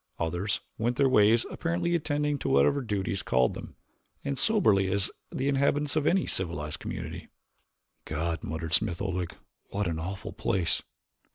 Others went their ways apparently attending to whatever duties called them, as soberly as the inhabitants of any civilized community. "God," muttered Smith Oldwick, "what an awful place!"